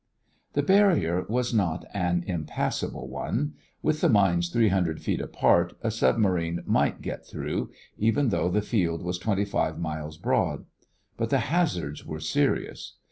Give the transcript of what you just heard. The barrier was not an impassable one. With the mines three hundred feet apart, a submarine might get through, even though the field was twenty five miles broad, but the hazards were serious.